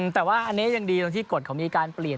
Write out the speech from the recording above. แต่ว่าอันนี้ยังดีตรงที่กฎเขามีการเปลี่ยน